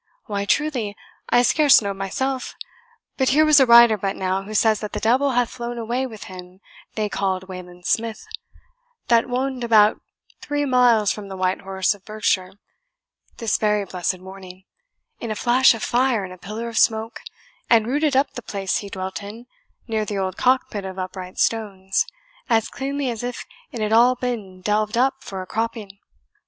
"Why, truly, I scarce know myself. But here was a rider but now, who says that the devil hath flown away with him they called Wayland Smith, that won'd about three miles from the Whitehorse of Berkshire, this very blessed morning, in a flash of fire and a pillar of smoke, and rooted up the place he dwelt in, near that old cockpit of upright stones, as cleanly as if it had all been delved up for a cropping."